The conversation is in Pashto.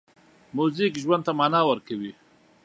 موزیک ژوند ته مانا ورکوي.